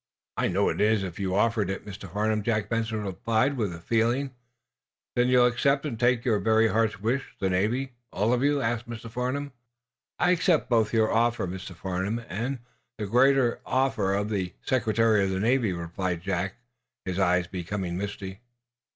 "I know it is, if you offer it, Mr. Farnum," Jack Benson replied, with feeling. "Then you'll accept, and take your very heart's wish the Navy all of you?" asked Mr. Farnum. "I accept both your offer, Mr. Farnum, and, the greater offer of the Secretary of the Navy," replied Jack, his eyes becoming misty.